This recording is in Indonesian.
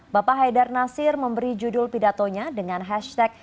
bapak haidar nasir memberi judul pidatonya dengan hashtag